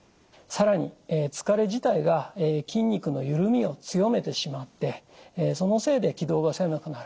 更に疲れ自体が筋肉のゆるみを強めてしまってそのせいで気道が狭くなる。